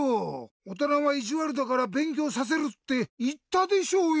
おとなはいじわるだからべんきょうさせるっていったでしょうよ！